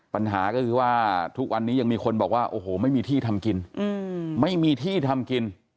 ปัญหาก็คือว่าทุกวันนี้ยังมีคนบอกว่าโอโหไม่มีที่ทำกิน